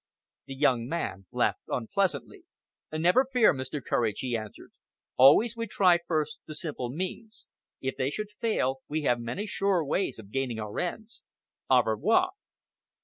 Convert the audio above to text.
The young man laughed unpleasantly. "Never fear, Mr. Courage," he answered. "Always we try first the simple means. If they should fail, we have many surer ways of gaining our ends. Au revoir!"